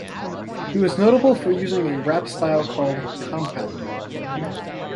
He was notable for using a rap style called "compounding".